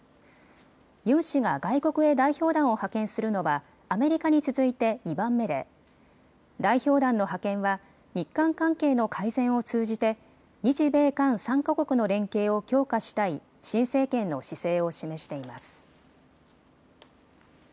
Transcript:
ユン氏が外国へ代表団を派遣するのはアメリカに続いて２番目で代表団の派遣は日韓関係の改善を通じて日米韓３か国の連携を強化したい新政権の姿勢を示しています。